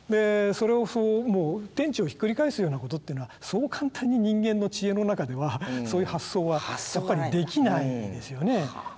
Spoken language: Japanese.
それをもう天地をひっくり返すようなことっていうのはそう簡単に人間の知恵の中ではそういう発想はできないですよね。